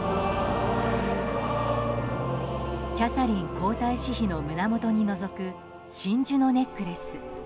キャサリン皇太子妃の胸元にのぞく真珠のネックレス。